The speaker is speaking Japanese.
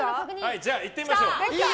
じゃあ、いってみましょう。